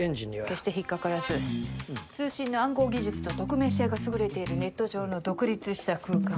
決して引っ掛からず通信の暗号技術と匿名性が優れているネット上の独立した空間。